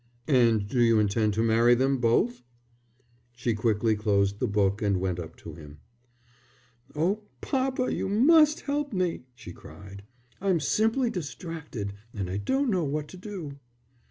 "And do you intend to marry them both?" She quickly closed the book and went up to him. "Oh, papa, you must help me," she cried. "I'm simply distracted and I don't know what to do."